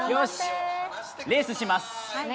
レースします。